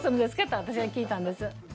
って私が聞いたんです。